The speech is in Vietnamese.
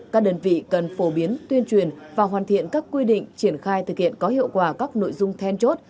các đơn vị cần phổ biến tuyên truyền và hoàn thiện các quy định triển khai thực hiện có hiệu quả các nội dung then chốt